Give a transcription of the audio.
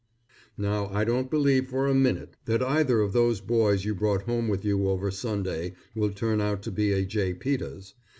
Now I don't believe for a minute, that either of those boys you brought home with you over Sunday, will turn out to be a J. Peters.